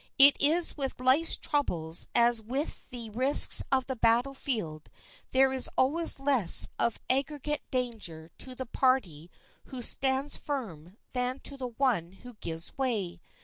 It is with life's troubles as with the risks of the battle field; there is always less of aggregate danger to the party who stands firm than to the one who gives way.